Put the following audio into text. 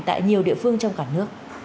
tại nhiều địa phương trong cả nước